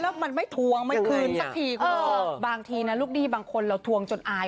แล้วมันไม่ทวงไม่คืนสักทีคุณบางทีนะลูกหนี้บางคนเราทวงจนอาย